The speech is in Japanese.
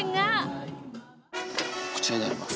こちらになります。